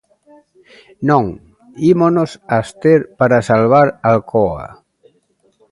Non, ímonos abster para salvar Alcoa.